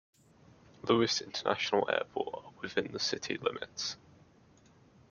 Louis International Airport are within the city limits.